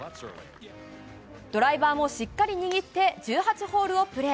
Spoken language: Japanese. ドライバーもしっかり握って１８ホールをプレー。